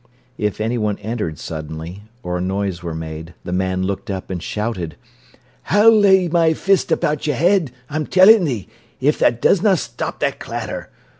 If anyone entered suddenly, or a noise were made, the man looked up and shouted: "I'll lay my fist about thy y'ead, I'm tellin' thee, if tha doesna stop that clatter!